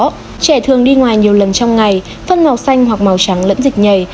trẻ thường đi ngoài nhiều lần trong ngày phân màu xanh hoặc màu trắng lẫn dịch nhầy